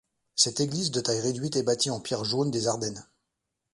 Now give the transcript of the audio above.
Cette église de taille réduite est bâtie en pierre jaune des Ardennes.